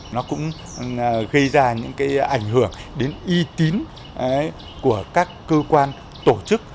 nó cũng gây ra những cái ảnh hưởng đến uy tín của các cơ quan tổ chức